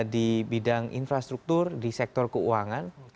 di bidang infrastruktur di sektor keuangan